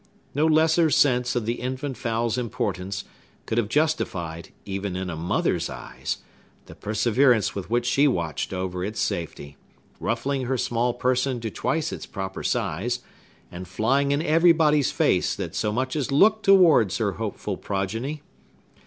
No lesser sense of the infant fowl's importance could have justified, even in a mother's eyes, the perseverance with which she watched over its safety, ruffling her small person to twice its proper size, and flying in everybody's face that so much as looked towards her hopeful progeny.